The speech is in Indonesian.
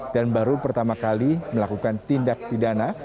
dan baru pertama kali melakukan tindak pidana